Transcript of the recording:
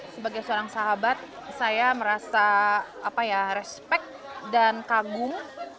sebagai seorang sahabat saya merasa respect dan kagum